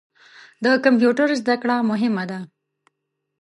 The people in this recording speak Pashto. د کمپیوټر زده کړه مهمه ده.